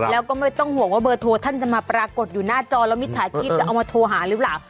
แล้วก็ไม่ต้องห่วงว่าเบอร์โทรท่านจะมาปรากฏอยู่หน้าจอแล้วมิจฉาชีพจะเอามาโทรหาหรือเปล่า